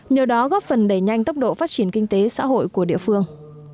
nhờ đó góp phần đẩy nhanh tốc độ phát triển kinh tế xã hội của địa phương